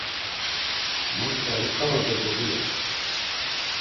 Ma Tzariǩala do Dobira…